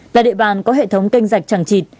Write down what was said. là địa bàn có hệ thống kênh dạch chẳng chịt